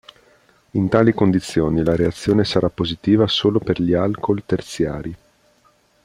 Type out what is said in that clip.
In tali condizioni la reazione sarà positiva solo per gli alcol terziari.